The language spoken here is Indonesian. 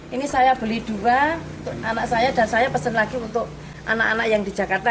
ini saya beli dua anak saya dan saya pesan lagi untuk anak anak yang di jakarta